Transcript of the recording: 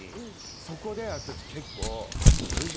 そこで私結構。